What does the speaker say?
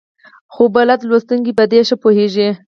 خو بلد لوستونکي په دې ښه پوهېږي.